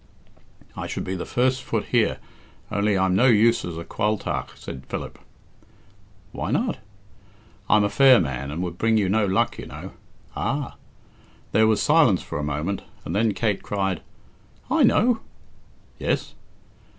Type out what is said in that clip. "I should be the first foot here, only I'm no use as a qualtagh," said Philip. "Why not?" "I'm a fair man, and would bring you no luck, you know." "Ah!" There was silence for a moment, and then Kate cried "I know." "Yes?"